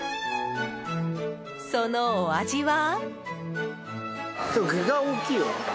そのお味は。